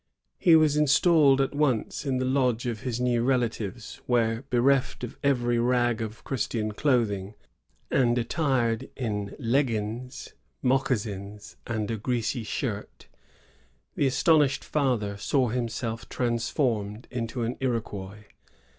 He was installed at once in the lodge of his new relatives, where, bereft of every rag of Christian clothing, and attdred in leggins. moccasina, and a greaay shirt, the astonished father saw himself transformed into an Iroquois.